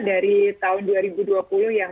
dari tahun dua ribu dua puluh yang